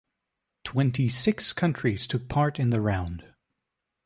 Twenty-six countries took part in the round.